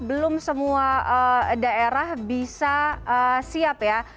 belum semua daerah bisa siap ya